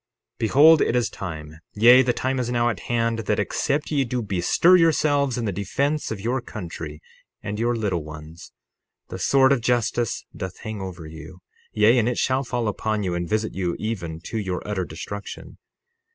60:29 Behold it is time, yea, the time is now at hand, that except ye do bestir yourselves in the defence of your country and your little ones, the sword of justice doth hang over you; yea, and it shall fall upon you and visit you even to your utter destruction.